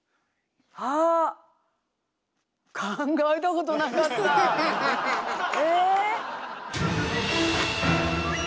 考えたことなかったえ？